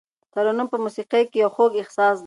ترنم په موسیقۍ کې یو خوږ احساس دی.